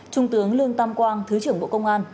trung tướng lương tam quang thứ trưởng bộ công an